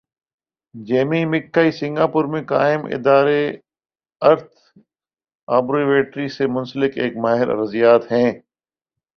Jamie مک کائی Singapore میں قائم اداری ارتھ آبرو یٹری سی منسلک ایک ماہر ارضیات ہیں۔